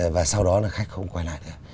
và sau đó là khách không quay lại nữa